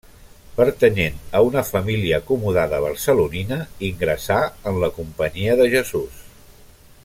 Pertanyent a una família acomodada barcelonina, ingressà en la Companyia de Jesús.